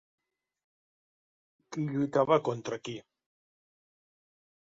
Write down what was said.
Qui lluitava contra qui